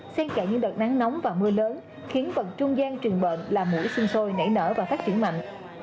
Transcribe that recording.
xe chạy những đợt nắng nóng và mưa lớn khiến vật trung gian truyền bệnh là mũi sinh sôi nảy nở và phát triển mạnh